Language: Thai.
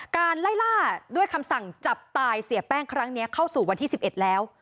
การไล่ล่าด้วยคำสั่งจับตายเสียแป้งครั้งนี้เข้าสู่วันที่๑๑แล้ว